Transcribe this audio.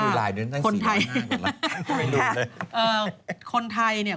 ใช่ดูไลน์นึงนั่งสีหน้าไม่รู้เลย